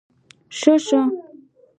شه شه